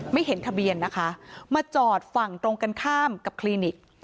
ไม่เห็นทะเบียนนะคะมาจอดฝั่งตรงกันข้ามกับคลินิก